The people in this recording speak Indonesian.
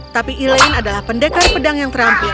tapi elaine adalah pendekar pedang yang terampil